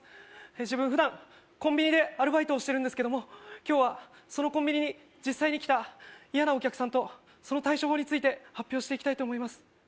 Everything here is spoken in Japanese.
自分普段コンビニでアルバイトをしてるんですけども今日はそのコンビニに実際に来た嫌なお客さんとその対処法について発表していきたいと思います